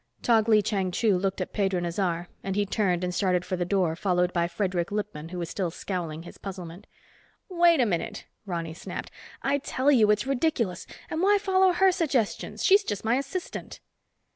Tog Lee Chang Chu looked at Pedro Nazaré and he turned and started for the door followed by Fredric Lippman who was still scowling his puzzlement. "Wait a minute!" Ronny snapped. "I tell you it's ridiculous. And why follow her suggestions? She's just my assistant."